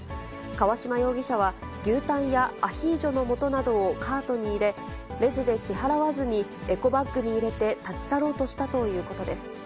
川嶋容疑者は、牛タンやアヒージョのもとなどをカートに入れ、レジで支払わずに、エコバッグに入れて立ち去ろうとしたということです。